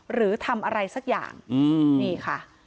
หรือทำอะไรสักอย่างนี่ค่ะ